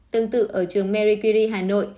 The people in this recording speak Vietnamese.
tương tự ở trường mary quy rie hà nội